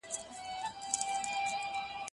د حق په لاره کي قرباني ورکول ویاړ دی.